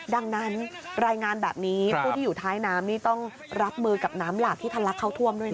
ดังนั้นรายงานแบบนี้ผู้ที่อยู่ท้ายน้ำนี่ต้องรับมือกับน้ำหลากที่ทะลักเข้าท่วมด้วยนะ